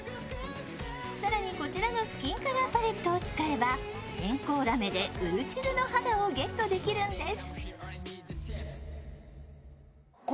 更に、こちらのスキンカラーパレットを使えば偏光ラメでうるちゅるの肌をゲットできるんです。